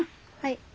はい。